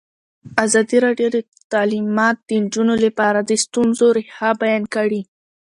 ازادي راډیو د تعلیمات د نجونو لپاره د ستونزو رېښه بیان کړې.